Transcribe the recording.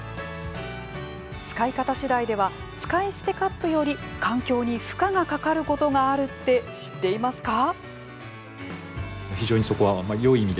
使い方次第では使い捨てカップより環境に負荷がかかることがあるって知っていますか？